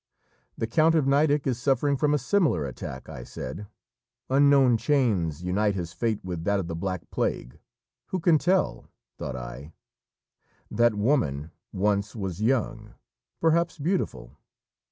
"The Count of Nideck is suffering from a similar attack," I said; "unknown chains unite his fate with that of the Black Plague. Who can tell?" thought I; "that woman once was young, perhaps beautiful!"